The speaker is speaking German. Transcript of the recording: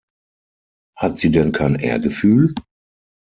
Hat sie denn kein Ehrgefühl?